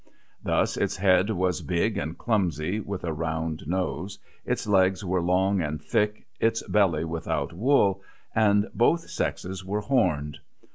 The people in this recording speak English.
Thus, its head was big and clumsy, with a round nose, its legs were long and thick, its belly without wool, and both sexes were horned.